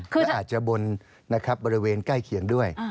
มันอาจจะบนบริเวณใกล้เคียงด้วย